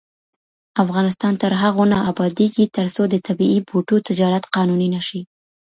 افغانستان تر هغو نه ابادیږي، ترڅو د طبیعي بوټو تجارت قانوني نشي.